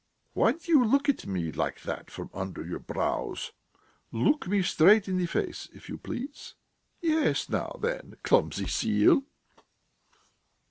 Why do you look at me like that from under your brows? Look me straight in the face, if you please! Yes, now then, clumsy seal!"